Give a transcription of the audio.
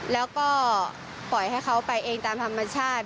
แล้วก็ปล่อยให้เขาไปเองตามธรรมชาติ